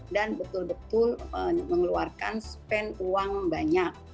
dan betul betul mengeluarkan spend uang banyak